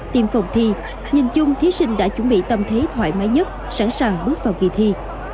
tiêm phòng thi nhìn chung thí sinh đã chuẩn bị tâm thế thoải mái nhất sẵn sàng bước vào kỳ thi